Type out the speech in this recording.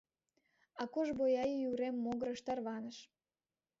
Акош Бояи урем могырыш тарваныш.